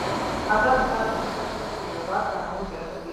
آزاد تجارت مهم دی ځکه چې د لباس تنوع زیاتوي.